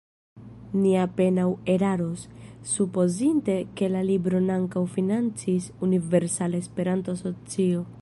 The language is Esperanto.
Ni apenaŭ eraros, supozinte ke la libron ankaŭ financis Universala Esperanto Asocio.